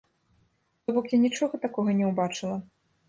То бок я нічога такога не ўбачыла.